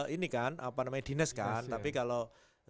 ini kan apa namanya dinas kan tapi kalau